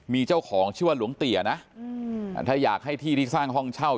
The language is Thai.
มีเจ้าของชื่อว่าหลวงเตี๋ยนะถ้าอยากให้ที่ที่สร้างห้องเช่า